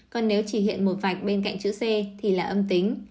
còn nếu chỉ hiện một vạch bên cạnh chữ xe thì là âm tính